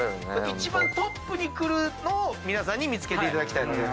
一番トップに来るのを皆さんに見つけていただきたいので。